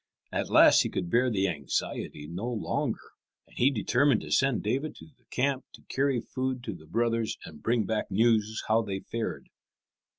At last he could bear the anxiety no longer, and he determined to send David to the camp to carry food to his brothers and bring back news how they fared.